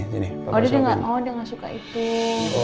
oh dia gak suka itu